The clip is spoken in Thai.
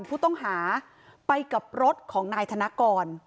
ผู้ต้องหาไปกับรถของนายธนกร